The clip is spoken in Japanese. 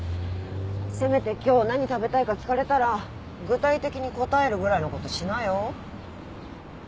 せめて今日何食べたいか聞かれたら具体的に答えるぐらいのことしなよ？